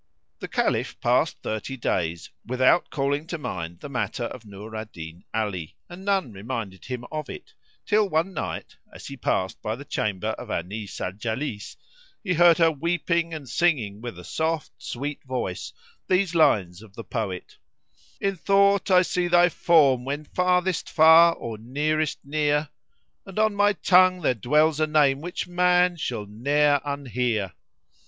The Caliph passed thirty days without calling to mind the matter of Nur al Din Ali,[FN#75] and none reminded him of it, till one night, as he passed by the chamber of Anis al Jalis, he heard her weeping and singing with a soft sweet voice these lines of the poet, "In thought I see thy form when farthest far or nearest near; * And on my tongue there dwells a name which man shall ne'er unhear."